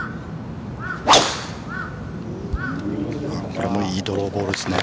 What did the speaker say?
◆これもいいドローボールですね。